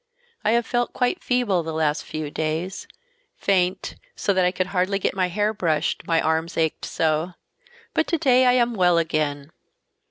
I have felt quite feeble the last few days—faint, so that I could hardly get my hair brushed, my arms ached so. But to day I am well again.